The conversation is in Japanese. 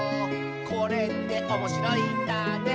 「これっておもしろいんだね」